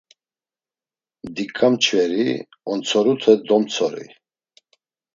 Mdiǩa mçveri ontsorute domtsori.